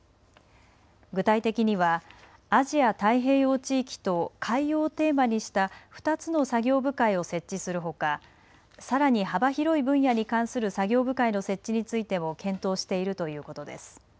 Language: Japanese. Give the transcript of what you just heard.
具体的にはアジア太平洋地域と海洋をテーマにした２つの作業部会を設置するほかさらに幅広い分野に関する作業部会の設置についても検討しているということです。